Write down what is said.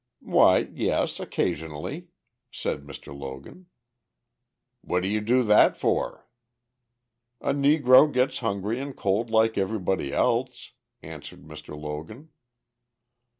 "Why, yes, occasionally," said Mr. Logan. "What do you do that for?" "A Negro gets hungry and cold like anybody else," answered Mr. Logan.